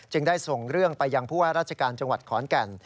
ได้ส่งเรื่องไปยังผู้ว่าราชการจังหวัดขอนแก่น